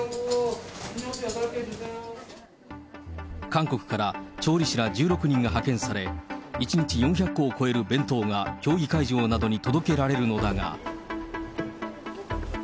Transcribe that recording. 韓国から調理師ら１６人が派遣され、１日４００個を超える弁当が競技会場などに届けられるのだが。